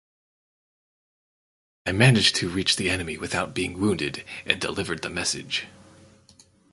I managed to reach the enemy without being wounded and delivered the message.